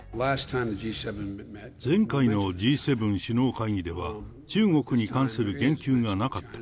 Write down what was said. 前回のＧ７首脳会議では、中国に関する言及がなかった。